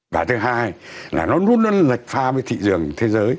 và thứ hai là nó luôn luôn lệch lệch pha với thị trường thế giới